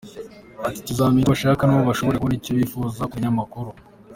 Ati “Tuzamenya icyo bashaka, na bo bashobore kubona icyo bifuza ku binyamakuru.